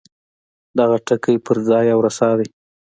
دغه ټکی پر ځای او رسا دی.